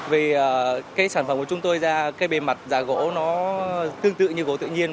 vì cái sản phẩm của chúng tôi ra cái bề mặt giả gỗ nó tương tự như gỗ tự nhiên